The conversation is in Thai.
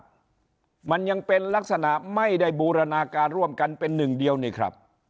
มันยังเป็นลักษณะไม่ได้บูรณาการร่วมกันเป็นหนึ่งเดียวนี่ครับ